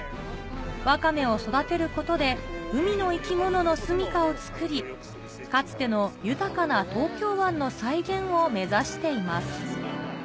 ワカメを育てることで海の生き物のすみかをつくりかつての豊かな東京湾の再現を目指しています